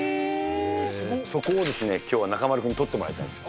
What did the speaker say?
そこをきょうは、中丸君に撮ってもらいたいんです。